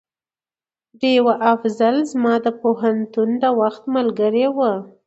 ډيوه افصل زما د پوهنتون د وخت ملګرې وه